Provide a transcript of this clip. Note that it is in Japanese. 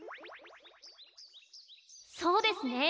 そうですね。